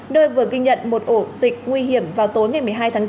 nơi vừa ghi nhận một ổ dịch nguy hiểm vào tối ngày một mươi hai tháng bốn